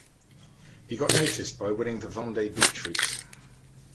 He got noticed by winning the Vendée Beach Route.